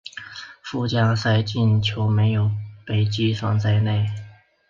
附加赛进球没有被计算在内。